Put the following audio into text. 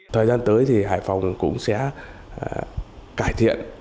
thời gian tới thì hải phòng cũng sẽ cải thiện